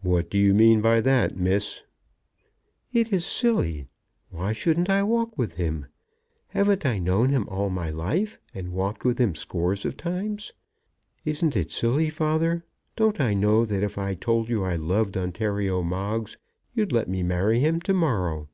"What do you mean by that, miss?" "It is silly. Why shouldn't I walk with him? Haven't I known him all my life, and walked with him scores of times? Isn't it silly, father? Don't I know that if I told you I loved Ontario Moggs, you'd let me marry him to morrow?"